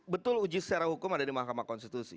betul uji secara hukum ada di mahkamah konstitusi